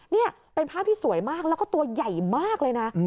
นี่เป็นภาพที่สวยมากแล้วก็ตัวใหญ่มากเลยนะ